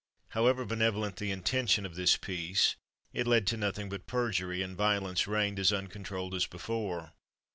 However benevolent the intention of this "Peace," it led to nothing but perjury, and violence reigned as uncontrolled as before.